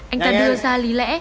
anh ta đưa ra lý lẽ